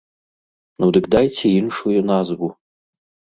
Ну дык дайце іншую назву.